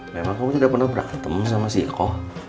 memang kamu sudah pernah berantem sama si eko